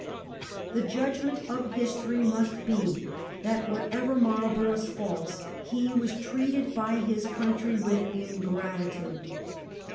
The judgment of history must be that, whatever Marlborough's faults, he was treated by his country with ingratitude.